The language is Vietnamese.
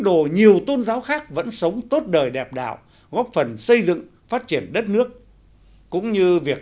đồ nhiều tôn giáo khác vẫn sống tốt đời đẹp đạo góp phần xây dựng phát triển đất nước cũng như việc